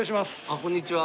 あっこんにちは。